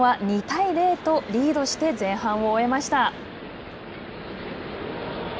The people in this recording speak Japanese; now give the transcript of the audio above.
日本は２対０とリードして前半を終えました。